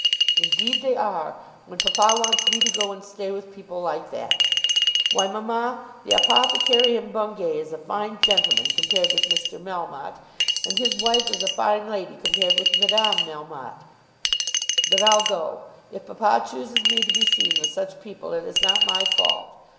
"Indeed they are when papa wants me to go and stay with people like that. Why, mamma, the apothecary in Bungay is a fine gentleman compared with Mr. Melmotte, and his wife is a fine lady compared with Madame Melmotte. But I'll go. If papa chooses me to be seen with such people it is not my fault.